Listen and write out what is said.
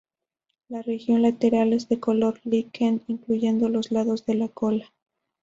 La región lateral es de color liquen, incluyendo los lados de la cola.